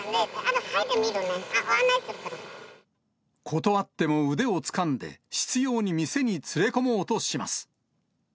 断っても腕をつかんで、執ように店に連れ込もうとします。